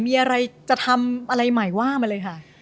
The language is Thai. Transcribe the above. มีอะไรจะทำอะไรใหม่ว่ามาเลยค่ะ